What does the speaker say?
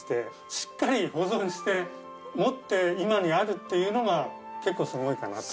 しっかり保存して持って今にあるっていうのが結構すごいかなと。